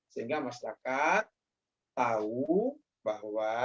sehingga masyarakat tahu bahwa